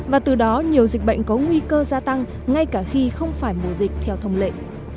và từ đó nhiều dịch bệnh có nguy cơ gia tăng ngay cả khi không phải mùa dịch theo thông lệ